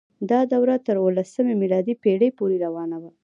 دا دوره تر اوولسمې میلادي پیړۍ پورې روانه وه.